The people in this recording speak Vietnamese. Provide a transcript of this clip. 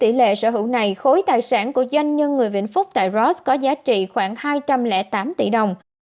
tỷ lệ sở hữu này khối tài sản của doanh nhân người vĩnh phúc tại ross có giá trị khoảng hai trăm linh tám tỷ đồng